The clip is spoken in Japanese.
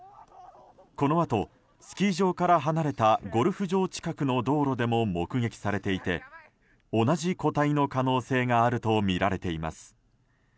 このあと、スキー場から離れたゴルフ場近くの道路でも目撃されていて同じ個体の可能性があるとみられています。